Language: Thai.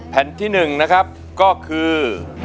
แผ่นที่๑นะครับก็คือ